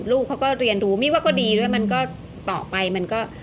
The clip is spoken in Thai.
ลูกเขาก็เรียนดูมี่ว่าก็ดีด้วยมันก็ต่อไปมันก็